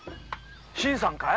新さんかい？